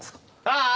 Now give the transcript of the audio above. ああ。